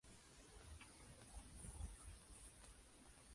Presenta generalmente un rumbo desde el norte-noreste al sur-suroeste.